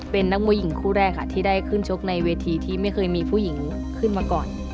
เป็นนักมวยหญิงคู่แรกค่ะที่ได้ขึ้นชกในเวทีที่ไม่เคยมีผู้หญิงขึ้นมาก่อน